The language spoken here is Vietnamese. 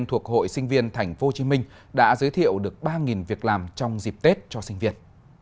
thuộc hội sinh viên tp hcm đã giới thiệu được ba việc làm trong dịp tết cho sinh viên